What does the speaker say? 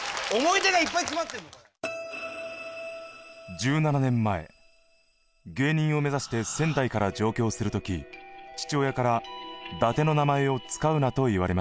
１７年前芸人を目指して仙台から上京する時父親から「伊達の名前を使うな」と言われました。